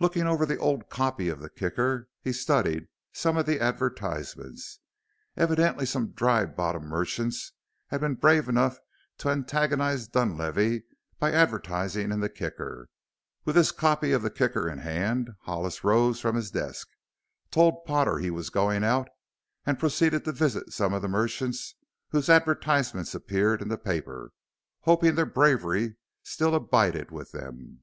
Looking over the old copy of the Kicker he studied some of the advertisements. Evidently some Dry Bottom merchants had been brave enough to antagonize Dunlavey by advertising in the Kicker. With this copy of the Kicker in hand Hollis rose from his desk, told Potter he was going out, and proceeded to visit some of the merchants whose advertisements appeared in the paper, hoping that their bravery still abided with them.